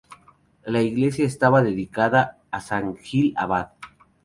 La iglesia está dedicada a san Gil Abad.